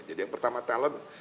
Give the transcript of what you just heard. jadi yang pertama talent